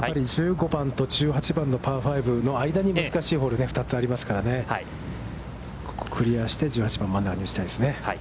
１５番と１８番のパー５の前に難しいホールがありますから、これをクリアして１８番を打ちたいですね。